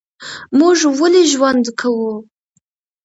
موږ ولي ژوند کوو؟